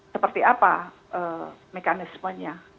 seperti apa mekanismenya